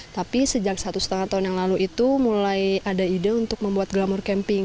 tapi sejak satu setengah tahun yang lalu itu mulai ada ide untuk membuat glamour camping